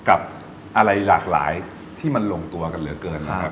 กับอะไรหลากหลายที่มันลงตัวกันเหลือเกินนะครับ